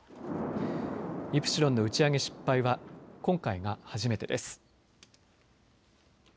イプシロンの打ち上げ失敗は今回が初めてです。